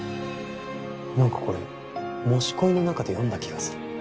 なんかこれ『もし恋』の中で読んだ気がする。